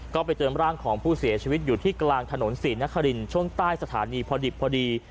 ก็ไปเจอร่างของผู้เสียชีวิตอยู่ที่กลางถนนศรีนครินช่วงใต้สถานีพอดิบพอดี